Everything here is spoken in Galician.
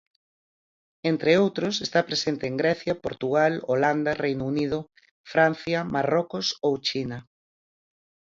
Entre outros, está presente en Grecia, Portugal, Holanda, Reino Unido, Francia, Marrocos ou China.